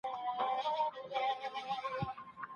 ښه کار دا دی چي لور خپلو نيمګړتياوو ته متوجه سي.